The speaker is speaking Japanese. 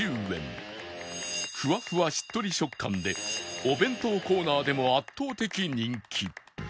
ふわふわしっとり食感でお弁当コーナーでも圧倒的人気